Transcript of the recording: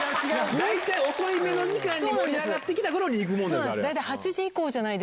だいたい遅い目の時間に盛り上がってきたころに行くもんなの。